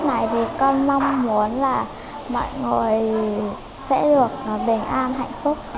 tại vì con mong muốn là mọi người sẽ được bình an hạnh phúc